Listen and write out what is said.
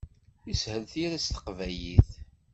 Teshel tira s teqbaylit.